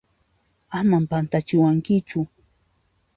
Aman pantachiwankichu!